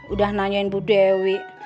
udah nanyain bu dewi